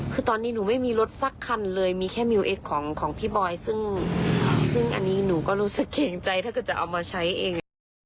คือตอนนี้หนูไม่มีรถสักคันเลยมีแค่มิวเอ็กซ์ของพี่บอยซึ่งซึ่งอันนี้หนูก็รู้สึกเกรงใจถ้าเกิดจะเอามาใช้เอง